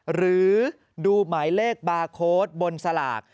หรือดูหมายเลขบาร์โค้ดบนสลาก